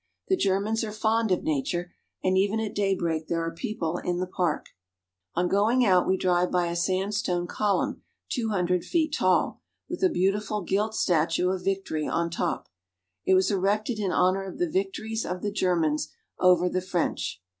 The Germans are fond of nature, and even at daybreak there are people in the park. Brandenburg Gate. On going out we drive by a sandstone column two hundred feet tall, with a beautiful gilt statue of Victory on top. It was erected in honor of the victories of the Ger mans over the French.